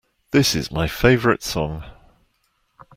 This is my favorite song!